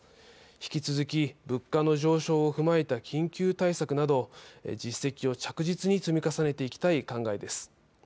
引き続き、物価の上昇を踏まえた緊急対策など実績を着実に積み重ねていきたい考えです。